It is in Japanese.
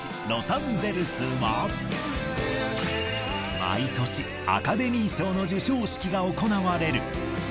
ロサンゼルスは毎年アカデミー賞の授賞式が行われる。